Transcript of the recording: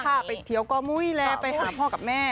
ไปเทียวกอมุ้ยและขาพอกับแม่